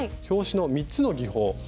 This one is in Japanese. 表紙の３つの技法